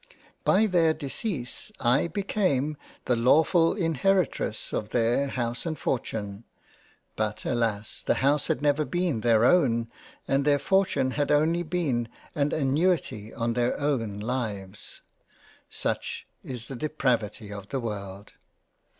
By their decease I became the lawfull Inheritress of their House and Fortune. But alas ! the House had never been their own and their Fortune had only been an Annuity on their own Lives. Such is the Depravity of the World